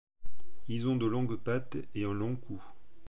Ils ont de longues pattes et un long cou.